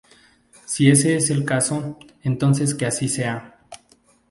Si ese es el caso, entonces que así sea".